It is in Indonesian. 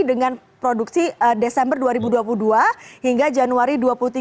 dengan produksi desember dua ribu dua puluh dua hingga januari dua ribu tiga puluh